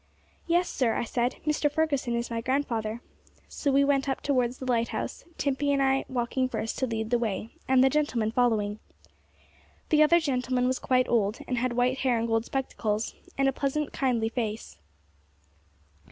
'Yes, sir,' I said; 'Mr. Fergusson is my grandfather.' So we went up towards the lighthouse, Timpey and I walking first to lead the way, and the gentlemen following. The other gentleman was quite old, and had white hair and gold spectacles, and a pleasant, kindly face.